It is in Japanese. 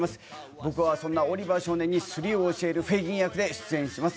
僕はそんなオリバー少年にスリを教えるフェイギン役で出演します。